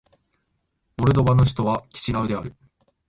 モルドバの首都はキシナウである